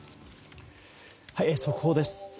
速報です。